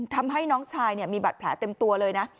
ทำให้น้องชายมีบัตรแผลเต็มตัวเลยนะ